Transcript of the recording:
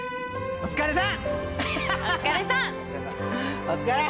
お疲れさん。